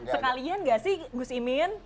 sekalian gak sih gus imin